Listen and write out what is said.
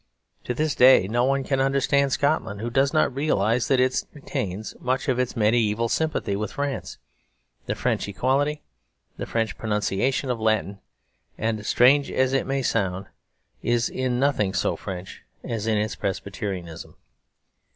To this day no one can understand Scotland who does not realise that it retains much of its mediæval sympathy with France, the French equality, the French pronunciation of Latin, and, strange as it may sound, is in nothing so French as in its Presbyterianism.